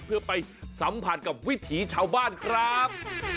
เพื่อไปสัมผัสกับวิถีชาวบ้านครับ